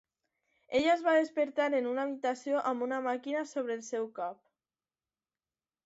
Ella es va despertar en una habitació amb una màquina sobre el seu cap.